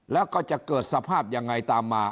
แล้วก็จะเกิดสภาพยังไงตามมา